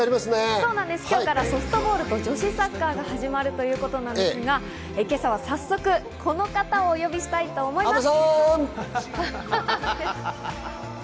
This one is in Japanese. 今日からソフトボールと女子サッカーが始まるということですが、今朝は早速この方をお呼びしたいと思います。